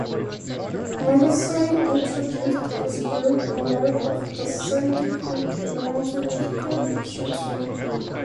Matheson introduced this bill in light of the Sandy Hook Elementary School shooting.